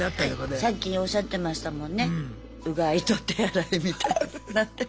さっきおっしゃってましたもんね。